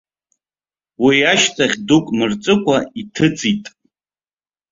Уи ашьҭахь дук мырҵыкәа иҭыҵит.